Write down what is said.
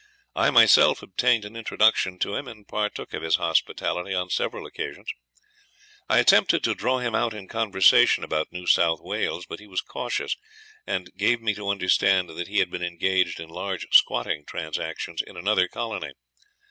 I myself obtained an introduction to him, and partook of his hospitality on several occasions. I attempted to draw him out in conversation about New South Wales; but he was cautious, and gave me to understand that he had been engaged in large squatting transactions in another colony.